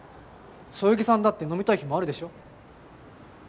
そよぎさんだって飲みたい日もあるでしょ。